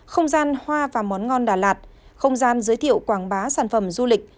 không gian hoa và món ngon đà lạt không gian giới thiệu quảng bá sản phẩm du lịch